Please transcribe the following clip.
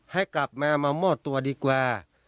ให้กลับมามามอบตัวดีกว่า